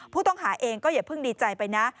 ผู้ต้องหาเองก็อย่าเพิ่งดีใจไปนะ